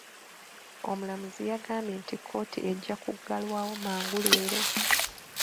Omulamuzi yagambye nti kkooti ejja kuggalwawo mangu leero.